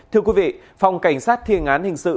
thưa quý vị phòng cảnh sát thiên án hình sự